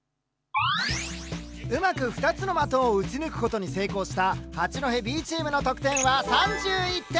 うまく２つの的を撃ち抜くことに成功した八戸Ｂチームの得点は３１点。